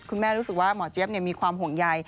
รู้สึกว่าหมอเจี๊ยบมีความห่วงใย